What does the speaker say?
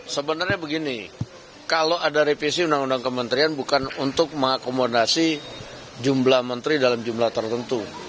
sebenarnya begini kalau ada revisi undang undang kementerian bukan untuk mengakomodasi jumlah menteri dalam jumlah tertentu